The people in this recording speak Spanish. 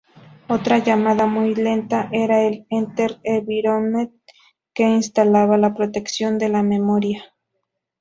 Otra llamada muy lenta era el "enter_environment", que instalaba la protección de la memoria.